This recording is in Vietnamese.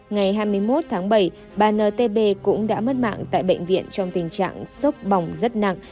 ngày hai mươi một tháng bảy bà ntb cũng đã mất mạng tại bệnh viện trong tình trạng sốc bỏng rất nặng